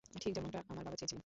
ঠিক যেমনটা আমার বাবা চেয়েছিলেন।